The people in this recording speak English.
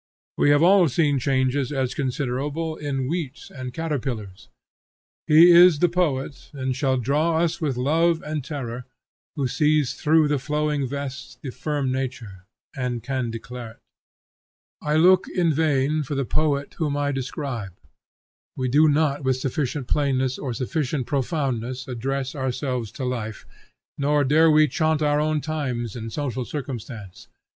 We have all seen changes as considerable in wheat and caterpillars. He is the poet and shall draw us with love and terror, who sees through the flowing vest the firm nature, and can declare it. I look in vain for the poet whom I describe. We do not with sufficient plainness or sufficient profoundness address ourselves to life, nor dare we chaunt our own times and social circumstance.